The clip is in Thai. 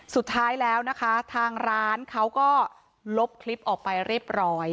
สุดท้ายแล้วนะคะทางร้านเขาก็ลบคลิปออกไปเรียบร้อย